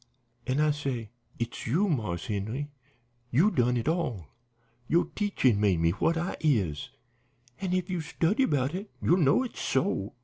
An' I say, 'It's you, Marse Henry; you done it all; yo' teachin' made me what I is, an' if you study about it you'll know it's so.